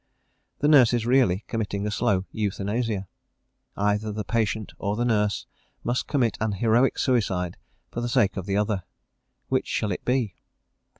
The nurse is really committing a slow euthanasia. Either the patient or the nurse must commit an heroic suicide for the sake of the other which shall it be?